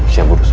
siap burus ya